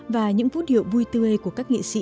và những vũ điệu vui tươi của các nghị sĩ